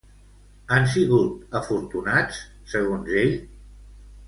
Han sigut afortunats, segons ell?